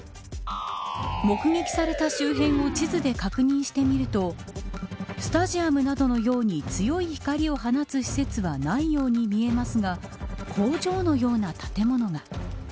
目撃された周辺を地図で確認してみるとスタジアムなどのように強い光を放つ施設はないように見えますが工場のような建物が。